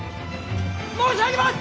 ・申し上げます！